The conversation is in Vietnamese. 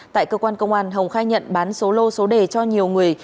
tại cơ quan công an hồng khai nhận bán số lô số đề cho nhiều người